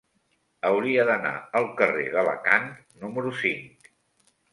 Hauria d'anar al carrer d'Alacant número cinc.